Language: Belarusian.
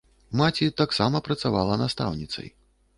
Маці таксама працавала настаўніцай.